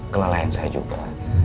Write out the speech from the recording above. kelelahan saya juga